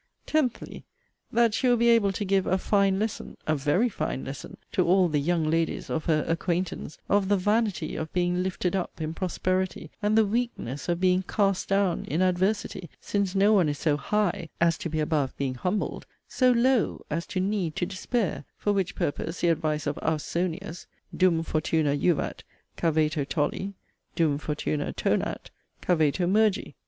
TENTHLY, That she will be able to give a 'fine lesson' (a 'very' fine lesson) to all the 'young ladies' of her 'acquaintance,' of the 'vanity' of being 'lifted up' in 'prosperity,' and the 'weakness' of being 'cast down' in 'adversity'; since no one is so 'high,' as to be above being 'humbled'; so 'low,' as to 'need to despair': for which purpose the advice of 'Ausonius,' 'Dum fortuna juvat, caveto tolli: Dum fortuna tonat, caveto mergi.'